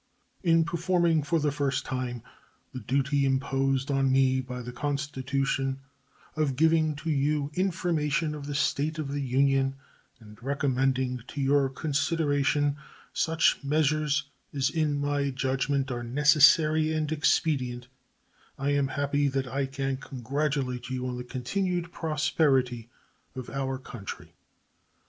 In performing for the first time the duty imposed on me by the Constitution of giving to you information of the state of the Union and recommending to your consideration such measures as in my judgment are necessary and expedient, I am happy that I can congratulate you on the continued prosperity of our country.